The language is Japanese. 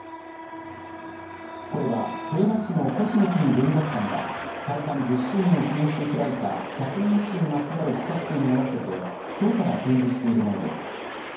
これは富山市の高志の国文学館が開館１０周年を記念して開いた百人一首にまつわる企画展に合わせて、きょうから展示しているものです。